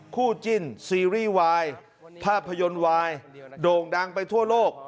คู่จิ้นซีรีส์วายภาพยนตร์วายโด่งดังไปทั่วโลก